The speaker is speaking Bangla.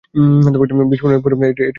বিস্ফোরণের পরে এটি নিয়ন্ত্রণ হারিয়ে ফেলে।